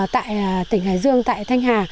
tại tỉnh hải dương tại thanh hà